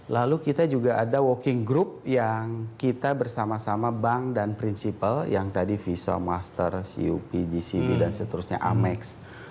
lalu kita juga ada working group yang kita bersama sama bank dan prinsipal yang tadi visa master cop gcb dan seterusnya amex